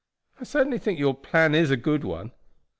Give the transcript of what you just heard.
I certainly think your plan is a good one."